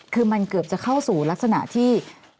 คือมันเกือบจะเข้าสู่ลักษณะที่